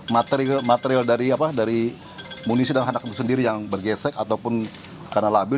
material dari munisi dan anak sendiri yang bergesek ataupun karena labil